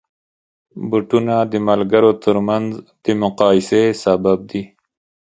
بوټونه د ملګرو ترمنځ د مقایسې سبب دي.